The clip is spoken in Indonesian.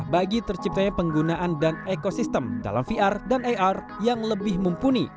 bagi terciptanya penggunaan dan ekosistem dalam vr dan ar yang lebih mumpuni